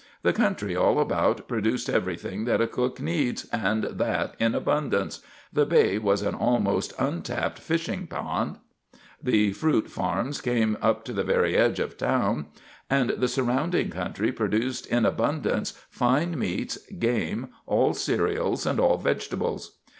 The country all about produced everything that a cook needs and that in abundance the bay was an almost untapped fishing pound, the fruit farms came up to the very edge of the town, and the surrounding country produced in abundance fine meats, game, all cereals and all vegetables.